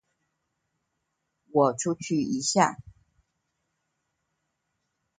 我出去一下